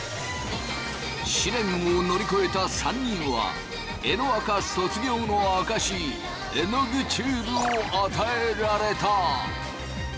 試練を乗り越えた３人はえのアカ卒業の証しえのぐチューブを与えられた。